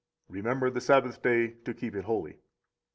[Remember the Sabbath day to keep it holy.